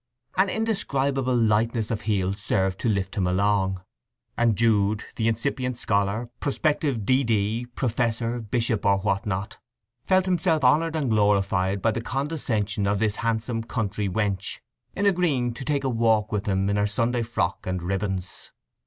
An indescribable lightness of heel served to lift him along; and Jude, the incipient scholar, prospective D.D., professor, bishop, or what not, felt himself honoured and glorified by the condescension of this handsome country wench in agreeing to take a walk with him in her Sunday frock and ribbons.